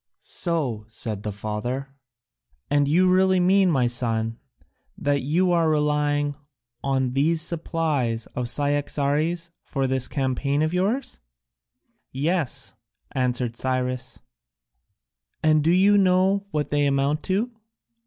"So," said the father, "and you really mean, my son, that you are relying only on these supplies of Cyaxares for this campaign of yours?" "Yes," answered Cyrus. "And do you know what they amount to?"